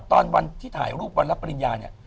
ตอนที่ถ่ายรูปวันรับปริญญาเนี่ย